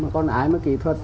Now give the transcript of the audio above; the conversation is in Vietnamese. còn ai mà kỹ thuật